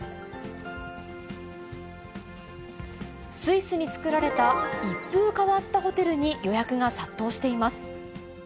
スイスに作られた一風変わったホテルに予約が殺到しています。